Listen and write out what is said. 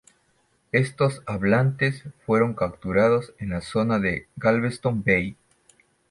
Estos hablantes fueron capturados en la zona de Galveston Bay.